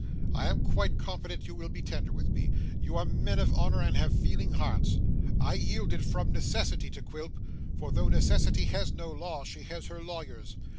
I am quite confident you will be tender with me. You are men of honour, and have feeling hearts. I yielded from necessity to Quilp, for though necessity has no law, she has her lawyers.